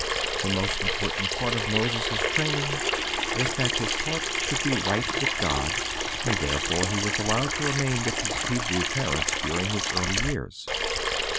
The most important part of Moses' training was that his heart should be right with God, and therefore he was allowed to remain with his Hebrew parents during his early years.